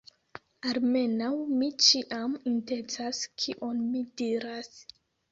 Almenaŭ, mi ĉiam intencas kion mi diras.